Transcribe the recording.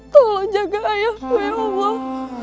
tolong jaga ayahku ya allah